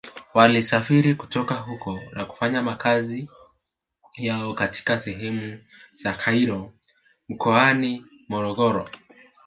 Walisafiri kutoka huko na kufanya makazi yao katika sehemu za Gairo mkoani Morogoro